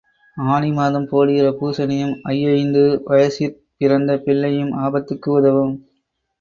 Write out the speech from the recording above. ஆனி மாதம் போடுகிற பூசணியும் ஐயைந்து வயசிற் பிறந்த பிள்ளையும் ஆபத்துக்கு உதவும்.